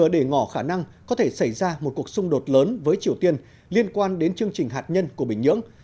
để ngỏ khả năng có thể xảy ra một cuộc xung đột lớn với triều tiên liên quan đến chương trình hạt nhân của bình nhưỡng